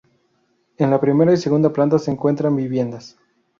En la primera y segunda planta se encuentran viviendas.